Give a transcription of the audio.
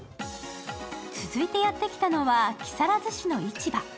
続いてやってきたのは木更津市の市場。